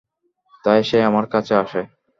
তাই, সে আমার কাছে আসে।